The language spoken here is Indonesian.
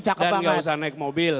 dan nggak usah naik mobil